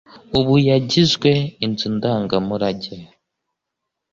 ubu yagizwe inzu ndangamurage